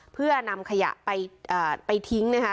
เพื่อนำขยะไปทิ้ง